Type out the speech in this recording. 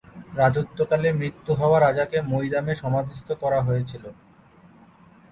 রাজত্বকালে মৃত্যু হওয়া রাজাকে মৈদাম-এ সমাধিস্থ করা হয়েছিল।